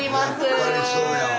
やっぱりそうやわ。